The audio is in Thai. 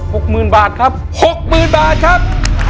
หกหมื่นบาทครับหกหมื่นบาทครับ